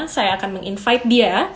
saya akan meng invite dia